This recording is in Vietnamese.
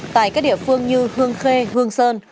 tại các địa phương như hương khê hương sơn